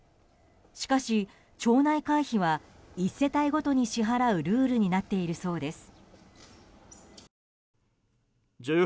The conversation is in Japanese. しかし、町内会費は１世帯ごとに支払うルールになっているそうです。